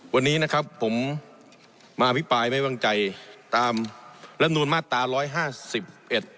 วันนี้นะครับผมมาอภิปรายไม่วางใจตามลำนูลมาตราร้อยห้าสิบเอ็ด